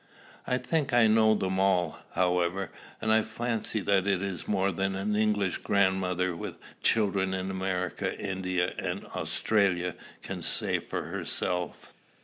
I think I know them all, however; and I fancy that is more than many an English grandmother, with children in America, India, and Australia, can say for herself."